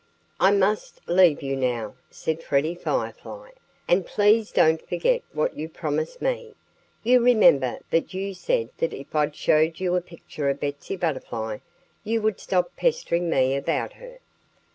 "I must leave you now," said Freddie Firefly. "And please don't forget what you promised me. You remember that you said that if I'd show you a picture of Betsy Butterfly you would stop pestering me about her."